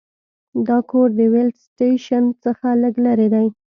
دا کور د ویلډ سټیشن څخه لږ لرې دی